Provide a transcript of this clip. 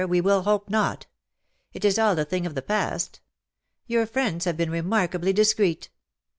239 we will hope not. It is all a thing of the past. Your friends have been remarkably discreet.